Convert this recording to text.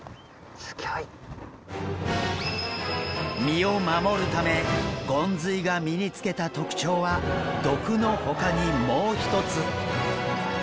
身を守るためゴンズイが身につけた特徴は毒のほかにもう一つ。